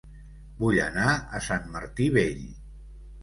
Vull anar a Sant Martí Vell